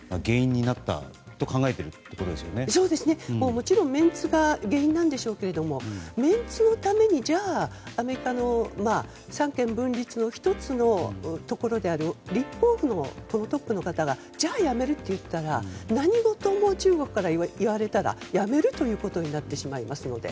もちろんメンツが原因なんでしょうけどメンツのためにアメリカの三権分立の１つである立法府のトップの方がじゃあやめると言ったら何事でも、中国から言われたらやめるということになってしまいますので。